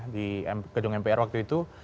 di gedung mpr waktu itu